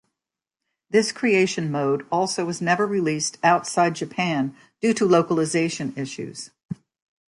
This creation mode also was never released outside Japan due to localization issues.